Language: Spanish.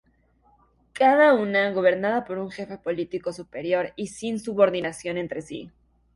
Cada una gobernada por un jefe político superior y sin subordinación entre sí.